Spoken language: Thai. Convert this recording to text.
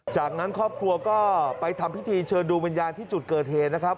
จากนั้นครอบครัวก็ไปทำพิธีเชิญดวงวิญญาณที่จุดเกิดเหตุนะครับ